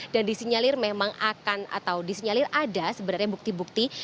dan disinyalir memang akan atau disinyalir ada sebenarnya bukti bukti